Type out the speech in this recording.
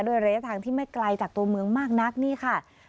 ระยะทางที่ไม่ไกลจากตัวเมืองมากนักนี่ค่ะ